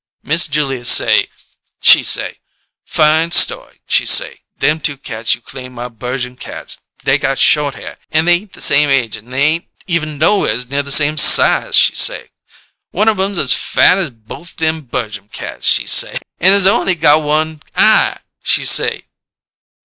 _' Miss Julia say, she say, 'Fine sto'y!' she say. 'Them two cats you claim my Berjum cats, they got short hair, an' they ain't the same age an' they ain't even nowheres near the same size,' she say. 'One of 'em's as fat as bofe them Berjum cats,' she say: 'an' it's on'y got one eye,' she say.